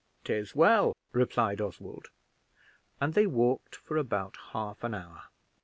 "'Tis well," replied Oswald; and they walked for about half an hour.